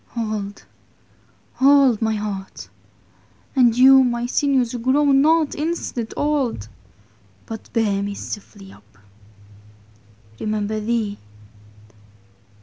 Oh fie: hold my heart; And you my sinnewes, grow not instant Old; But beare me stiffely vp: Remember thee?